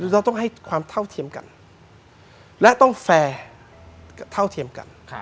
เราต้องให้ความเท่าเทียมกันและต้องแฟร์เท่าเทียมกัน